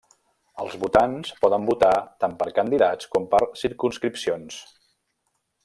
Els votants poden votar tant per candidats com per circumscripcions.